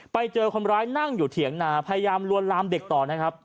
ไปเจอคนร้ายนั่งอยู่เถียงนาพยายามลวนลามเด็กต่อนะครับ